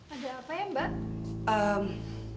ada apa ya mbak